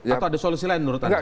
atau ada solusi lain menurut anda